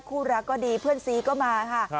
คู่รักก็ดีเพื่อนซีก็มาค่ะ